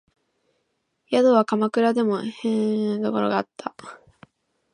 宿は鎌倉でも辺鄙なところにあった